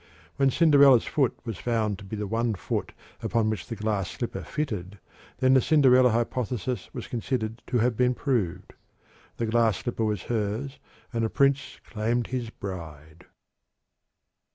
When Cinderella's foot was found to be the one foot upon which the glass slipper fitted, then the Cinderella hypothesis was considered to have been proved the glass slipper was hers and the prince claimed his bride.